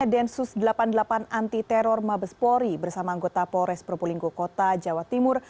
densus delapan puluh delapan anti teror mabes pori bersama anggota pores propolinggo kota jawa timur